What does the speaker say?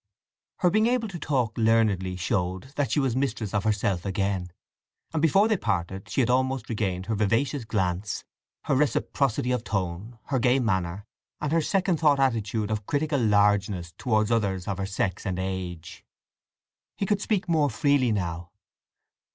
Her being able to talk learnedly showed that she was mistress of herself again; and before they parted she had almost regained her vivacious glance, her reciprocity of tone, her gay manner, and her second thought attitude of critical largeness towards others of her age and sex. He could speak more freely now.